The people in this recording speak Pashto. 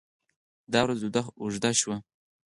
دا ورځ اوږده وه خو ښه وه.